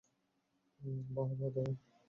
বাহ, বাহ, দারুন!